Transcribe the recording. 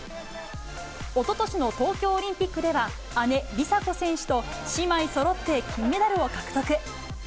おととしの東京オリンピックでは、姉、梨紗子選手と姉妹そろって金メダルを獲得。